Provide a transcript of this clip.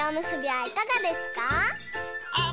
はい！